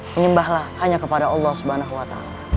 menyembahlah hanya kepada allah swt